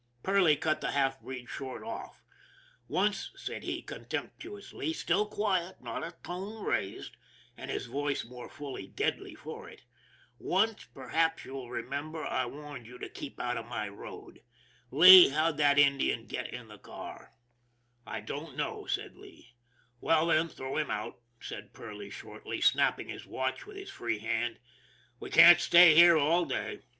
Perley cut the half breed short off. " Once," said he contemptuously, still quiet, not a tone raised, and his voice the more deadly for it, " once, perhaps you'll remember, I warned you to keep out of my road. Lee, how'd that Indian get in the car? " 244 ON THE IRON AT BIG CLOUD " I don't know," said Lee. " Well, then, throw him out," said Perley shortly, snapping his watch with his free hand. " We can't stay here all day."